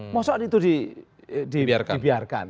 maksudnya itu dibiarkan